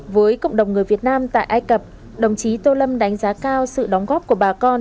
với cộng đồng người việt nam tại ai cập đồng chí tô lâm đánh giá cao sự đóng góp của bà con